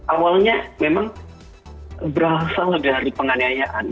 awalnya memang berasal dari penganiayaan